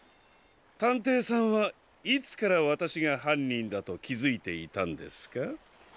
たんていさんはいつからわたしがはんにんだときづいていたんですか？